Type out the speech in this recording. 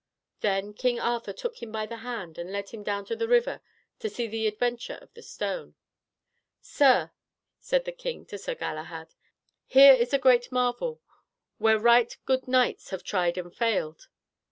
Then King Arthur took him by the hand and led him down to the river to see the adventure of the stone. "Sir," said the king to Sir Galahad, "here is a great marvel, where right good knights have tried and failed."